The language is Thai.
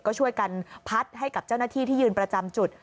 ก็ช่วยกันพัดให้กับเจ้าหน้าที่ที่ยืนประจำจุด